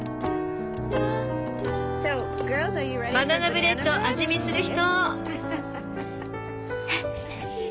バナナブレッド味見する人？